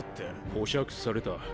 保釈された。